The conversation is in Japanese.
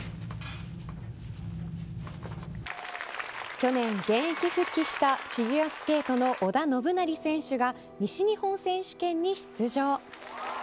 去年、現役復帰したフィギュアスケートの織田信成選手が西日本選手権に出場。